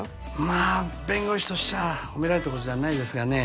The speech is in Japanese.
まあ弁護士としちゃほめられたことじゃないですがね